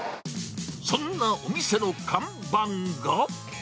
そんなお店の看板が。